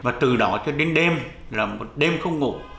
và từ đó cho đến đêm là một đêm không ngủ